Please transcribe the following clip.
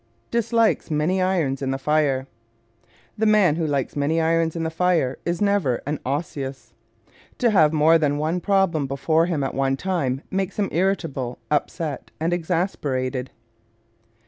Dislikes Many Irons in the Fire ¶ The man who likes many irons in the fire is never an Osseous. To have more than one problem before him at one time makes him irritable, upset and exasperated.